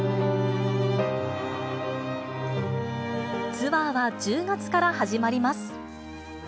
ツアーは１０月から始まります。